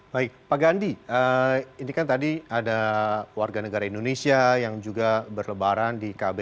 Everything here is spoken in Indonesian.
baik pak gandhi ini kan tadi ada warga negara indonesia yang juga berlebaran di kb